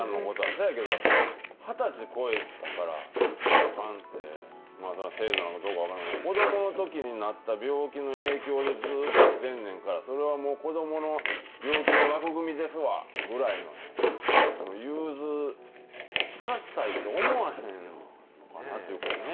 せやけど、２０歳超えたからあかんって、そりゃ制度なのかどうか分かりませんが、子どものときになった病気の影響でずっときてんねんから、それはもう子どもの病気の枠組みですわぐらいの、融通きかせたいと思わへんのかっていうかね。